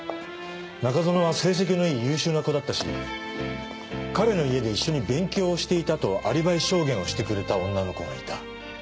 中園は成績のいい優秀な子だったし彼の家で一緒に勉強をしていたとアリバイ証言をしてくれた女の子がいた。